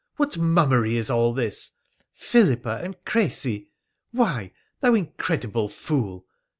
what mummery is all this ? Philippa and Crecy ? Why, thou incredible fool